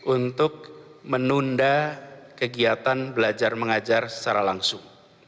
untuk menunda kegiatan belajar mengajar secara langsung